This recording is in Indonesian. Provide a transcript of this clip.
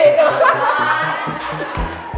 masih di rumah